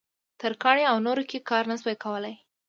ترکاڼۍ او نورو کې کار نه شوای کولای.